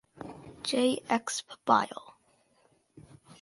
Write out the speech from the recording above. J Exp Biol.